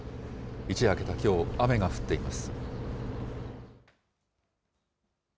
一夜明けたきょう、雨が降っています。